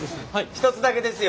一つだけですよ。